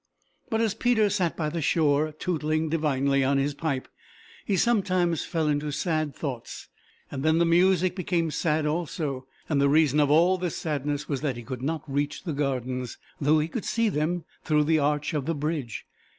But as Peter sat by the shore tootling divinely on his pipe he sometimes fell into sad thoughts and then the music became sad also, and the reason of all this sadness was that he could not reach the Gardens, though he could see them through the arch of the bridge.